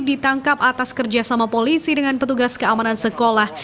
ditangkap atas kerja sama polisi dengan petugas keamanan sekolah